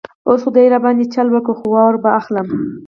اوس خو ده را باندې چل وکړ، خو وار به اخلم.